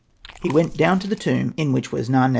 He went down to the tomb in which was Na.